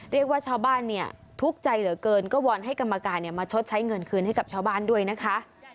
เรียกว่าชาวบ้านเนี่ยทุกข์ใจเหลือเกินก็วอนให้กรรมการมาชดใช้เงินคืนให้กับชาวบ้านด้วยนะคะ